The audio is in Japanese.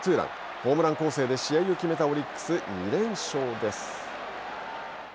ホームラン攻勢で試合を決めたオリックス２連勝です。